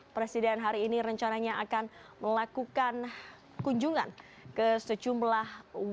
presiden hari ini rencananya akan melakukan kunjungan ke sejumlah wilayah